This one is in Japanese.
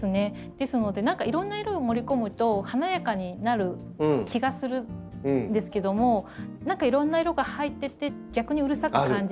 ですので何かいろんな色を盛り込むと華やかになる気がするんですけども何かいろんな色が入ってて逆にうるさく感じ。